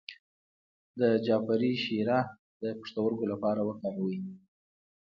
د جعفری شیره د پښتورګو لپاره وکاروئ